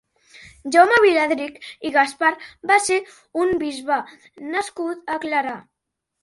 Jaume Viladrich i Gaspar va ser un bisbe nascut a Clarà.